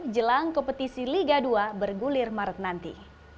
jelang kompetisi liga dua bergulir maret nanti